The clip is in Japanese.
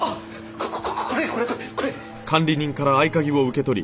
ここここれこれこれこれ！